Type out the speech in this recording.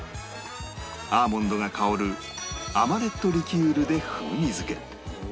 アーモンドが香るアマレットリキュールで風味づけ